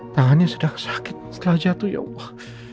tangannya sudah sakit setelah jatuh ya allah